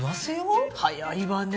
早いわよ。